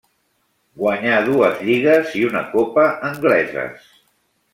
Guanyà dues lligues i una copa angleses.